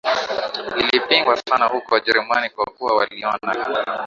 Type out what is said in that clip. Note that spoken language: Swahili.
lilipingwa sana huko Ujerumani kwa kuwa waliona